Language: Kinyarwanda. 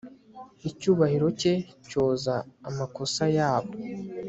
Icyubahiro cye cyoza amakosa yaabo